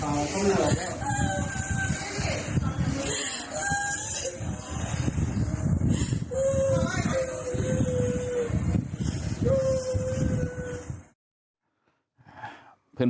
หนึ่งชื่อเลยครับ